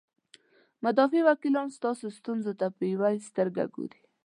مدافع وکیلان ستاسو ستونزو ته په یوې سترګې ګوري.